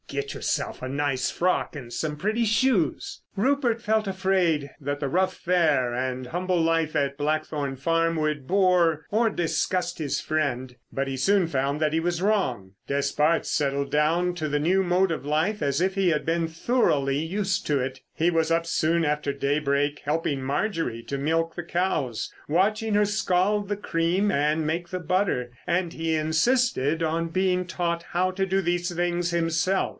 Get yourself a nice frock and some pretty shoes." Rupert felt afraid that the rough fare and humble life at Blackthorn Farm would bore or disgust his friend, but he soon found that he was wrong. Despard settled down to the new mode of life as if he had been thoroughly used to it. He was up soon after daybreak helping Marjorie to milk the cows; watching her scald the cream and make the butter, and he insisted on being taught how to do these things himself.